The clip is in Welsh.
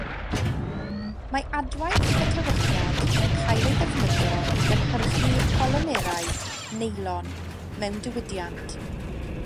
Mae adwaith y tewychiad yn cael ei ddefnyddio i gynhyrchu polymerau neilon mewn diwydiant.